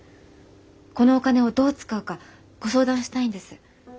このお金をどう使うかご相談したいんです。